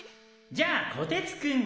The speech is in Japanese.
じゃあこてつくん。